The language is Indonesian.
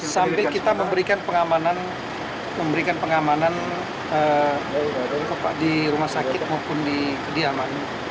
sampai kita memberikan pengamanan ke pak di rumah sakit maupun di kediaman